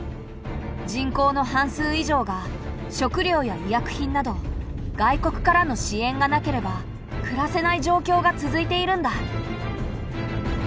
人口の半数以上が食糧や医薬品など外国からの支援がなければ暮らせない状況が続いているんだ。